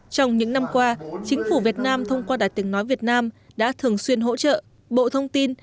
trong những năm qua chính phủ việt nam thông qua đài tiếng nói việt nam đã thường xuyên hỗ trợ bộ thông tin